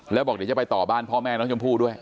แล้วบอกเดี๋ยวจะไปต่อบ้านพ่อแม่น้องชมพู่ด้วย